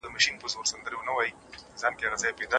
دوزخ د کافرانو ځای دی.